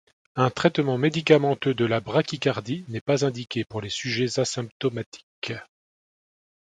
Un traitement médicamenteux de la bradycardie n'est pas indiqué pour les sujets asymptomatiques.